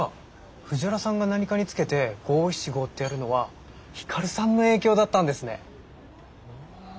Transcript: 藤原さんが何かにつけて５７５ってやるのは光さんの影響だったんですね。